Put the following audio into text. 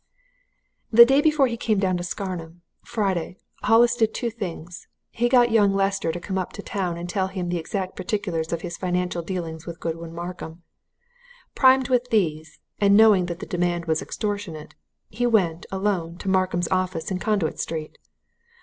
"The day before he came down to Scarnham Friday Hollis did two things. He got young Lester to come up to town and tell him the exact particulars of his financial dealings with Godwin Markham. Primed with these, and knowing that the demand was extortionate, he went, alone, to Markham's office in Conduit Street.